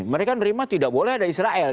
mereka nerima tidak boleh ada israel